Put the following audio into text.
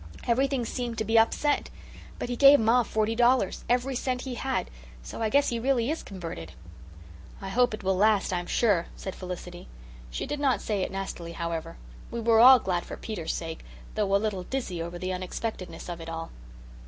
Everything seemed to be upset. But he gave ma forty dollars every cent he had so I guess he really is converted." "I hope it will last, I'm sure," said Felicity. She did not say it nastily, however. We were all glad for Peter's sake, though a little dizzy over the unexpectedness of it all.